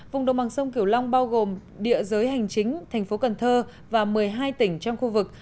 vùng đồng bằng sông kiểu long bao gồm địa giới hành chính tp cn và một mươi hai tỉnh trong khu vực